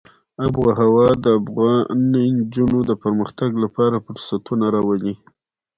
آب وهوا د افغان نجونو د پرمختګ لپاره فرصتونه راولي.